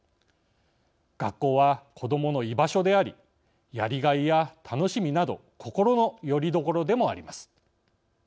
学校は子どもの居場所でありやりがいや楽しみなど心のよりどころでもあります。